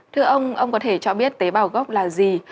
thưa ông ông có thể cho biết tế bào gốc là gì